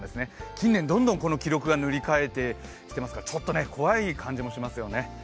近年どんどんこの記録を塗り替えてきていますから、ちょっとね、怖い感じもしますよね